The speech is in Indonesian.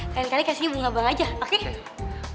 lain kali kasih bunga bang aja oke